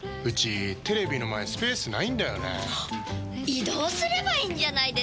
移動すればいいんじゃないですか？